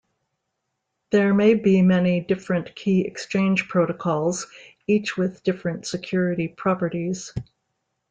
There may be many different key exchange protocols, each with different security properties.